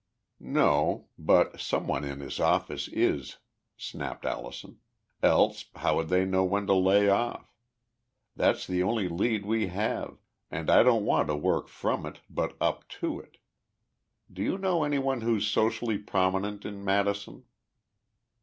"No but some one in his office is!" snapped Allison. "Else how would they know when to lay off? That's the only lead we have, and I don't want to work from it, but up to it. Do you know anyone who's socially prominent in Madison?"